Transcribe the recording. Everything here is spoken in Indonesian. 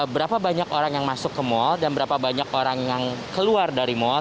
berapa banyak orang yang masuk ke mal dan berapa banyak orang yang keluar dari mall